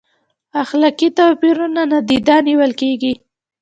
اخلاقي توپیرونه نادیده نیول کیږي؟